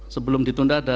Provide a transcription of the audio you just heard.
sebelum ditunda ada